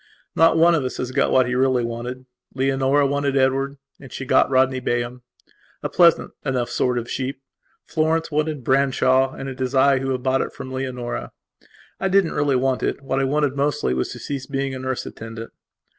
Not one of us has got what he really wanted. Leonora wanted Edward, and she has got Rodney Bayham, a pleasant enough sort of sheep. Florence wanted Branshaw, and it is I who have bought it from Leonora. I didn't really want it; what I wanted mostly was to cease being a nurse attendant.